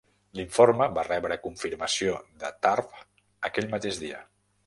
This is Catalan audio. L'informe va rebre confirmació de Tharpe aquell mateix dia.